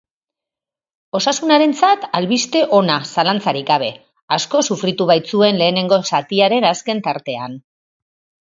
Osasunarentzat albiste ona zalantzarik gabe, asko sufritu baitzuen lehenengo zatiaren azken tartean.